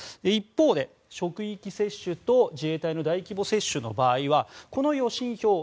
一方で職域接種と自衛隊の大規模接種の場合はこの予診票